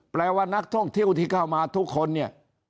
แปลว่านักท่องเที่ยวที่เข้ามาทุกคนเนี่ย